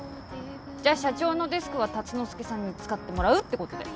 じゃあ社長のデスクは竜之介さんに使ってもらうってことで。